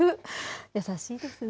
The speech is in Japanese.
優しいですね。